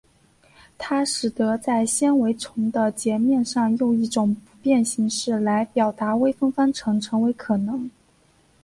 它使得在纤维丛的截面上用一种不变形式来表达微分方程成为可能。